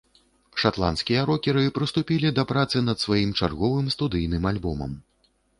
Шатландскія рокеры прыступілі да працы над сваім чарговым студыйным альбомам.